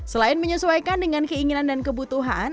selain menyesuaikan dengan keinginan dan kebutuhan